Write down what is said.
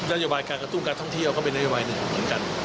โยบายการกระตุ้นการท่องเที่ยวก็เป็นนโยบายหนึ่งเหมือนกัน